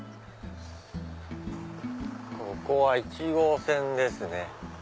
ここは１号線ですね。